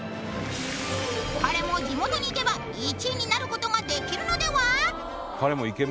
彼も地元に行けば１位になることができるのでは？